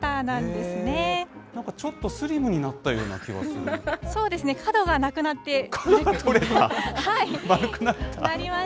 なんかちょっとスリムになったような気がする。